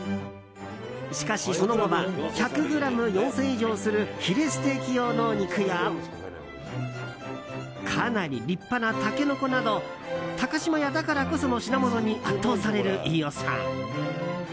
しかし、その後は１００ｇ、４０００円以上するヒレステーキ用の肉やかなり立派なタケノコなど高島屋だからこその品物に圧倒される飯尾さん。